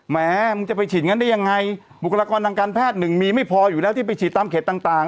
แม้มึงจะไปฉีดงั้นได้ยังไงบุคลากรทางการแพทย์หนึ่งมีไม่พออยู่แล้วที่ไปฉีดตามเขตต่าง